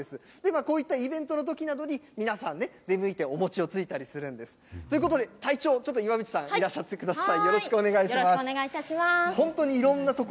こういったイベントのときなどに、皆さんね、出向いてお餅をついたりするんです。ということで、隊長、ちょっと岩淵さん、いらっしゃってください。